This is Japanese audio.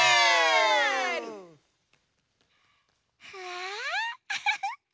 あフフフ！